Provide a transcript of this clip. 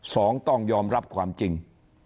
สองต้องยอมรับความจริง